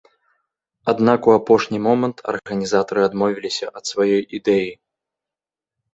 Аднак у апошні момант арганізатары адмовіліся ад сваёй ідэі.